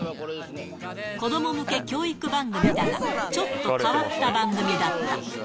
子ども向け教育番組だが、ちょっと変わった番組だった。